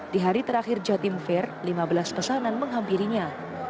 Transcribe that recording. di hari terakhir jatim fair lima belas pesanan menghampirinya